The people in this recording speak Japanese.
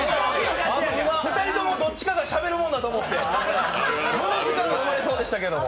２人ともどっちかがしゃべるもんやと思って無の時間が生まれましたけど。